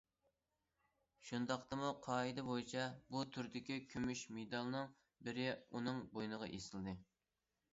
شۇنداقتىمۇ قائىدە بويىچە بۇ تۈردىكى كۈمۈش مېدالنىڭ بىرى ئۇنىڭ بوينىغا ئېسىلدى.